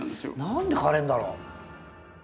何で枯れんだろう？